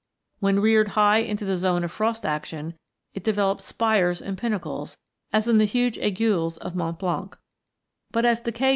When reared high into the zone of frost action, it develops spires and pinnacles, as in the huge " aiguilles " of Mont Blanc. But, as decay